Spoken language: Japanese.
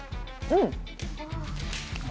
うん！